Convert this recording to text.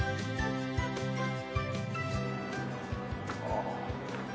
ああ。